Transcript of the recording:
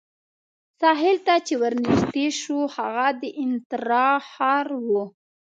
ساحل ته چې ورنژدې شوو، هغه د انترا ښار وو.